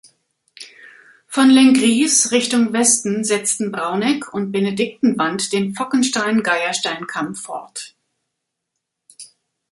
Von Lenggries Richtung Westen setzen Brauneck und Benediktenwand den Fockenstein-Geierstein-Kamm fort.